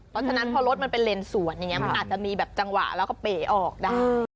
เพราะฉะนั้นพอรถมันเป็นเลนสวนอย่างนี้มันอาจจะมีแบบจังหวะแล้วก็เป๋ออกได้